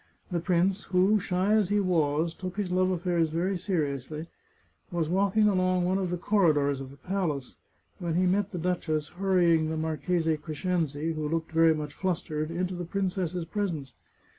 The prince, who, shy as he was, took his love aflfairs very seriously, was walking along one of the corridors of the palace, when he met the duchess, hurrying the Marchese Crescenzi, who looked very much flustered, into the princess's presence.